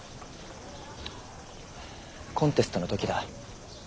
コンテストの時だ。